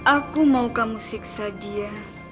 aku mau kamu siksa dia